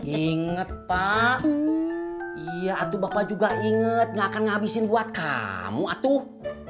inget pak iya atuh bapak juga inget nggak akan ngabisin buat kamu atuh